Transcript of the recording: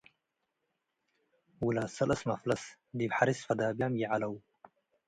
ውላድ ሰለስ መፍለስ ዲብ ሐርስ ፈዳብያም ይዐለው ።